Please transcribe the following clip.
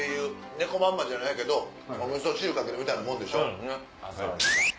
猫まんまじゃないけどおみそ汁かけるみたいなもん。